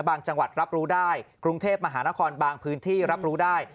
จังหวัดรับรู้ได้กรุงเทพมหานครบางพื้นที่รับรู้ได้